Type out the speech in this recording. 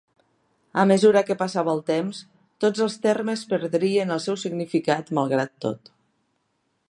A mesura que passava el temps, tots els termes perdrien el seu significat malgrat tot.